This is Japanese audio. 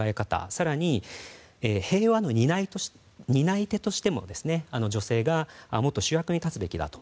更に、平和の担い手としても女性がもっと主役に立つべきだと。